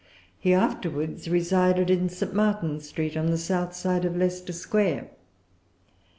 He afterwards resided in St. Martin's Street, on the south side of Leicester Square.